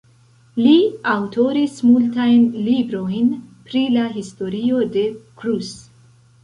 Li aŭtoris multajn librojn pri la historio de Creuse.